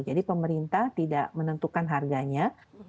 jadi pemerintah tidak menentukan harganya